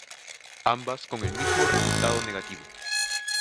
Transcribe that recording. Ambas con el mismo resul-tado negativo.